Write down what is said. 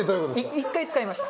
１回使いました。